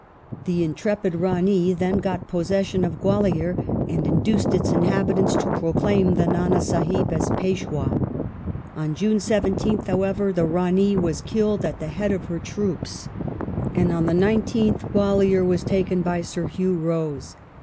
The intrepid Rani then got possession of Gwalior and induced its inhabitants to proclaim the Ndnd Sdhib as Peshwd. On June 17th, however, the Rani was killed at the head of her troops, and on the 19th Gwalior was taken by Sir Hugh Rose.